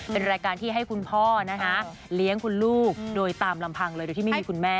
เป็นรายการที่ให้คุณพ่อนะคะเลี้ยงคุณลูกโดยตามลำพังเลยโดยที่ไม่มีคุณแม่